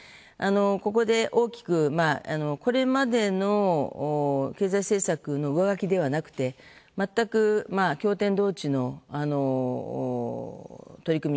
ここで大きくこれまでの経済政策の上書きではなくて全く驚天動地の取り組み。